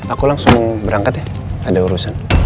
aku langsung berangkat ya ada urusan